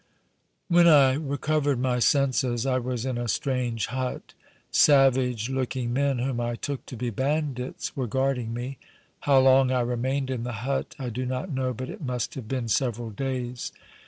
"When I recovered my senses, I was in a strange hut. Savage looking men, whom I took to be bandits, were guarding me. How long I remained in the hut I do not know, but it must have been several days.